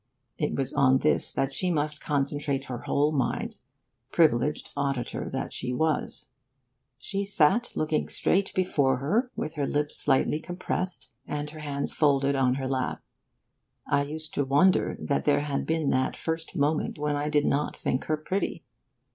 It was on this that she must concentrate her whole mind, privileged auditor that she was. She sat looking straight before her, with her lips slightly compressed, and her hands folded on her lap. I used to wonder that there had been that first moment when I did not think her pretty.